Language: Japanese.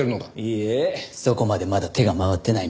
いえそこまでまだ手が回ってないみたいで。